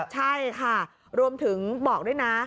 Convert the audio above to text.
ใช่ค่ะรวมถึงบอกด้วยนะ